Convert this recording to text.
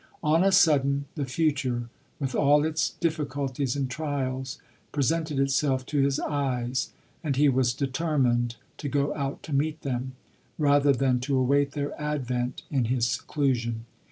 On a sudden, the future, with all its dif ficulties and trials, presented itself to his eyes; and he was determined to go out to meet them, rather than to await their advent in his seclu sion.